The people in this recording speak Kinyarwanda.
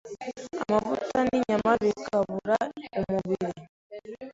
Amavuta n’inyama bikabura umubiri